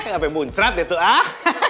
sampai muncrat itu ah